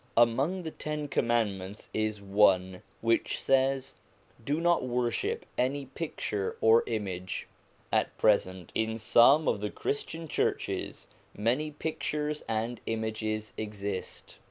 Among the ten commandments is one which says :' Do not worship any picture or image.' At present in some of the Christian churches many pictures and images exist.